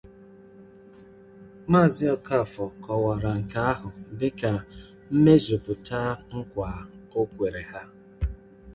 Maazị Okafor kọwara nke ahụ dịka mmezupụta nkwà o kwere ha